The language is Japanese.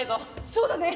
そうだね！